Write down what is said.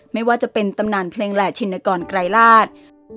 ไม่ว่าจะเป็นตำนานเพลงแหล่ชินกรไกรราช